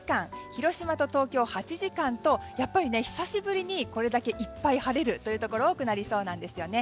広島と東京は８時間とやっぱり久しぶりにこれだけいっぱい晴れるところ多くなりそうなんですよね。